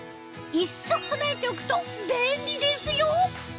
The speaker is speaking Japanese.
１足備えておくと便利ですよ